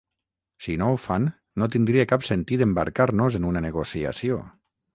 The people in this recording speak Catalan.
Si no ho fan, no tindria cap sentit embarcar-nos en una negociació.